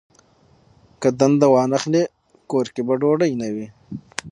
که دنده وانخلي، کور کې به ډوډۍ نه وي.